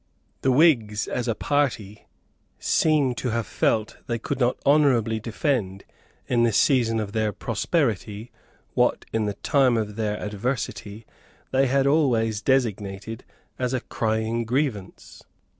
The Whigs, as a party, seem to have felt that they could not honourably defend, in the season of their prosperity, what, in the time of their adversity, they had always designated as a crying grievance.